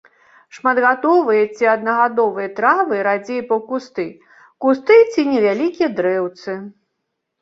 Шматгадовыя ці аднагадовыя травы, радзей паўкусты, кусты ці невялікія дрэўцы.